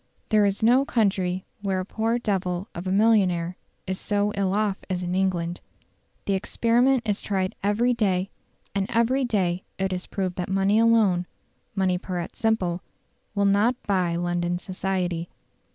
There is no country where a "poor devil of a millionaire is so ill off as in England". The experiment is tried every day, and every day it is proved that money alone money pur et simple will not buy "London Society".